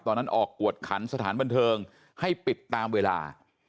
ออกกวดขันสถานบันเทิงให้ปิดตามเวลา